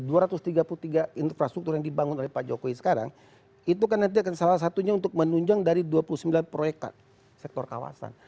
dari dua ratus tiga puluh tiga infrastruktur yang dibangun oleh pak jokowi sekarang itu kan nanti akan salah satunya untuk menunjang dari dua puluh sembilan proyek sektor kawasan